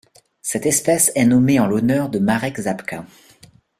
Cette espèce est nommée en l'honneur de Marek Żabka.